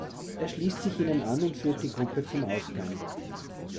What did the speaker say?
Er schließt sich ihnen an und führt die Gruppe zum Ausgang.